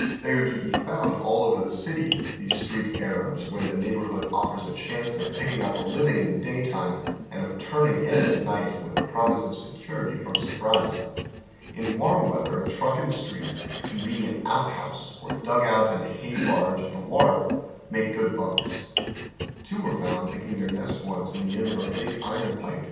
They are to be fonnd all over the city, these Street Arabs, where the neighborhood offers a chance of picking up a living in the daytime and of " turning in " at night with a promise of security from surprise. In warm weather a oy Google THE STREET AltAB. 199 truck in the street, a convenient out house, or a dug ont in a hay barge at the wharf make good bunka. Two were found making their nest once in the end of a big ii'on pipe